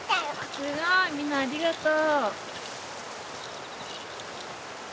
すごいみなありがとう。